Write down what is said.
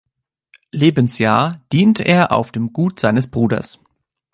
Lebensjahr diente er auf dem Gut seines Bruders.